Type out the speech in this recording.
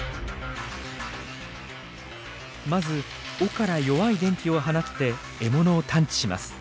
まず尾から弱い電気を放って獲物を探知します。